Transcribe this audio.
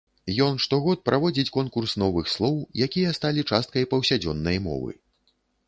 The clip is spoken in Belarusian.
Ён штогод праводзіць конкурс новых слоў, якія сталі часткай паўсядзённай мовы.